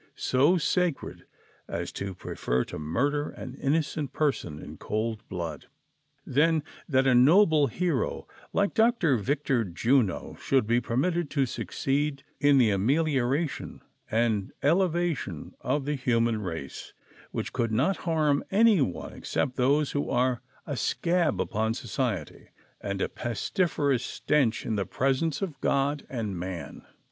So sacred (V) as to prefer to murder an innocent person in cold blood, than that a noble hero, like Dr. Victor Juno, should be permitted to succeed in the amelioration and elevation of the human race, which could not harm any one except those who are a scab upon society, and a pes tiferous stench in the presence of God and man.